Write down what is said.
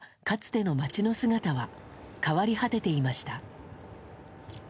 かつての街の姿は変わり果てていました。